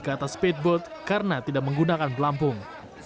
ke atas speedboat karena tidak menggunakan pelampung